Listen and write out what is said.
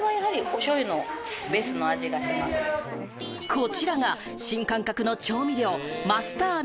こちらが新感覚の調味料「マスターネ。